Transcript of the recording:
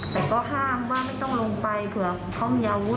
แต่ก็ห้ามว่าไม่ต้องลงไปเผื่อเขามีอาวุธ